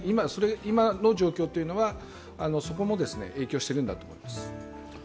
今の状況というのは、そこも影響しているんだと思います。